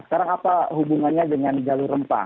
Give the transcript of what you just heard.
sekarang apa hubungannya dengan jalur rempah